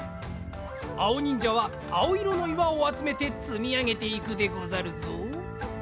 あおにんじゃはあおいろの岩をあつめてつみあげていくでござるぞ。